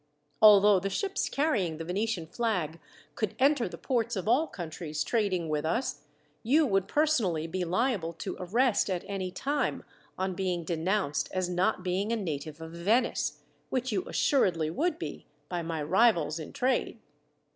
Although the ships carrying the Venetian flag could enter the ports of all countries trading with us, you would personally be liable to arrest, at any time, on being denounced as not being a native of Venice, which you assuredly would be by my rivals in trade."